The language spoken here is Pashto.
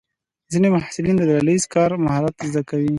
ځینې محصلین د ډله ییز کار مهارت زده کوي.